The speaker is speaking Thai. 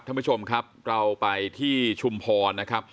ท่านผู้ชมครับเราไปที่ชุมพรนะครับ